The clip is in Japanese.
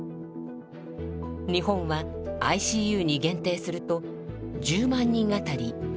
日本はＩＣＵに限定すると１０万人あたり４．３。